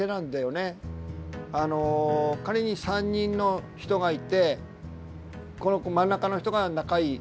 あの仮に３人の人がいてこの真ん中の人が仲いい。